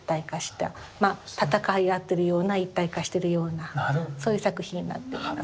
まあ戦い合ってるような一体化してるようなそういう作品になってます。